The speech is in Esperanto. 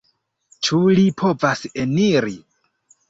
Ĉu li povas eniri?